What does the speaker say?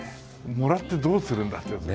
もらってどうするんだって。